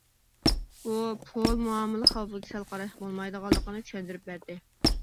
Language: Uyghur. بۇ، پۇل مۇئامىلە خەۋپىگە سەل قاراشقا بولمايدىغانلىقىنى چۈشەندۈرۈپ بەردى.